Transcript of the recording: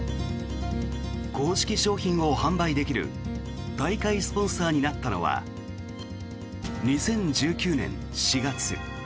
公式商品を販売できる大会スポンサーになったのは２０１９年４月。